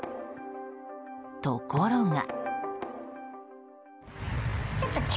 ところが。